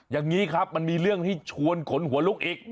อย่างนี้ครับมันมีเรื่องที่ชวนขนหัวลุกอีก